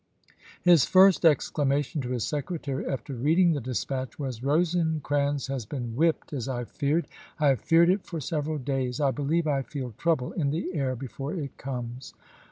His first exclamation to his secretary after reading the dis patch was: "Rosecrans has been whipped, as I feared. I have feared it for several days. I believe I feel trouble in the air before it comes."